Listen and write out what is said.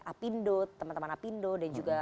apindo teman teman apindo dan juga